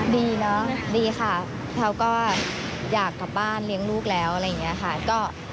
ดีเนอะดีค่ะเขาก็อยากกลับบ้านเลี้ยงลูกแล้วอะไรอย่างนี้ค่ะ